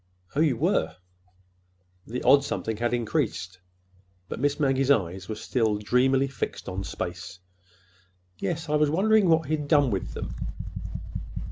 "Oh, you were!" The odd something had increased, but Miss Maggie's eyes were still dreamily fixed on space. "Yes. I was wondering what he had done with them."